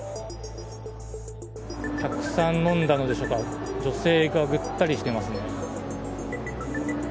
たくさん飲んだのでしょうか、女性がぐったりしてますね。